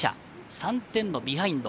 ３点のビハインド。